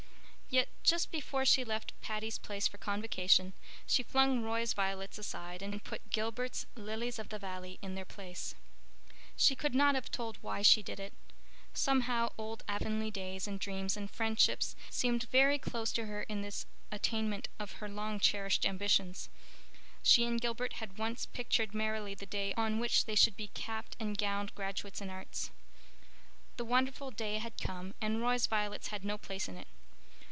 Yet just before she left Patty's Place for Convocation she flung Roy's violets aside and put Gilbert's lilies of the valley in their place. She could not have told why she did it. Somehow, old Avonlea days and dreams and friendships seemed very close to her in this attainment of her long cherished ambitions. She and Gilbert had once picturedout merrily the day on which they should be capped and gowned graduates in Arts. The wonderful day had come and Roy's violets had no place in it.